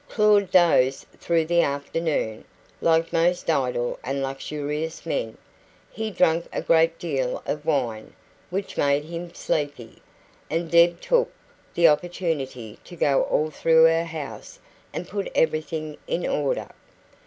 Claud dozed through the afternoon like most idle and luxurious men, he drank a great deal of wine, which made him sleepy and Deb took the opportunity to go all through her house and put everything in order.